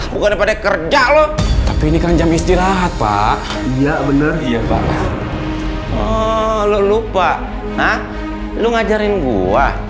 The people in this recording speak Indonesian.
bukan pada kerja lo tapi ini kan jam istirahat pak iya bener iya pak lu lupa nah lu ngajarin gue